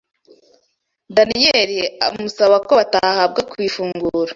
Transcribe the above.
Daniyeli amusaba ko batahabwa kw’ifunguro